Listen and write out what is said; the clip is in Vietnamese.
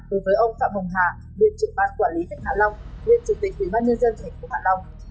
đối với ông phạm hồng hà liên trưởng ban quản lý thế giới hạ long liên trưởng tỉnh uỷ ban nhân dân thành phố hạ long